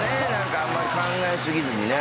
あんまり考え過ぎずにね。